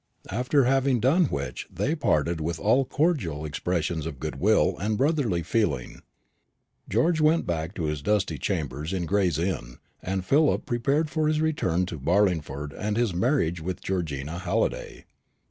After having done which, they parted with all cordial expressions of good will and brotherly feeling. George went back to his dusty chambers in Gray's Inn, and Philip prepared for his return to Barlingford and his marriage with Georgina Halliday.